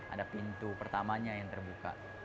ada pintu pertamanya yang terbuka